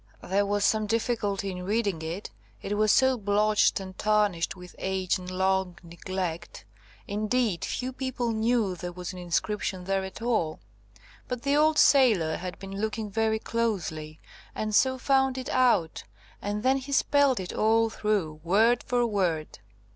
There was some difficulty in reading it, it was so blotched and tarnished with age and long neglect. Indeed, few people knew there was an inscription there at all; but the old sailor had been looking very closely, and so found it out, and then he spelt it all through, word for word.